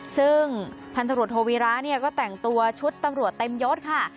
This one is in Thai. ซึ่งพันธุรกิจโทวีระเนี่ยก็แต่งตัวชุดตำรวจเต็มยศค่ะ